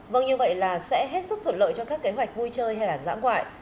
vâng như vậy là sẽ hết sức thuận lợi cho các kế hoạch vui chơi hay là dã ngoại